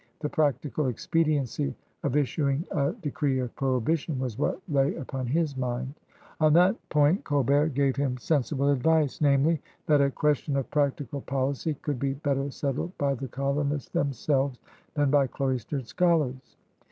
The practical expediency of issuing a de cree of prohibition was what lay upon his mind. On that point Colbert gave him sensible advice. THE COUREURS DE BOIS 175 namely, that a question of practical policy could be better settled by the colonists themselves than by cloistered scholars.